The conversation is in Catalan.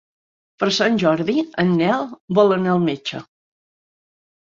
Per Sant Jordi en Nel vol anar al metge.